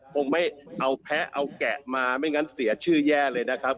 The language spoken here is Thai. คงไม่เอาแพ้เอาแกะมาไม่งั้นเสียชื่อแย่เลยนะครับ